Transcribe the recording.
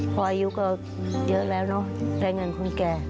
พออายุก็เยอะแล้วเนอะได้เงินคนแก่